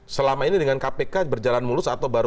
selama ini dengan kpk berjalan mulus atau baru